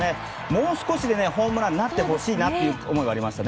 もう少しでホームランになってほしいという思いはありました。